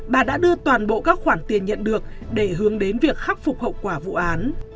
bà đã đưa toàn bộ các khoản tiền nhận được để hướng đến việc khắc phục hậu quả vụ án